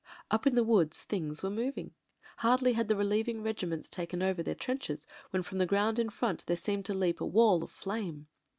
Up in the woods things were moving. Hardly had the relieving regiments taken over their trenches, when from the ground in front there seemed to leap a wall of flame.